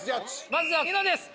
まずはニノです